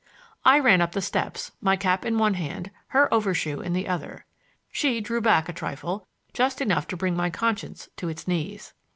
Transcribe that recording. I ran up the steps, my cap in one hand, her overshoe in the other. She drew back a trifle, just enough to bring my conscience to its knees.